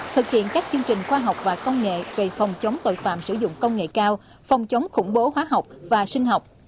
thực hiện các chương trình khoa học và công nghệ về phòng chống tội phạm sử dụng công nghệ cao phòng chống khủng bố hóa học và sinh học